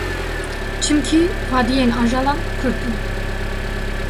Çimkî xwediyên ajalan Kurd bûn